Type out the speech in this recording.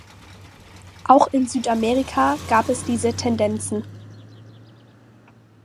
Auch in Südamerika gab es diese Tendenzen.